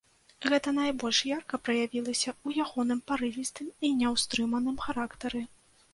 Гэта найбольш ярка праявілася ў ягоным парывістым і няўстрыманым характары.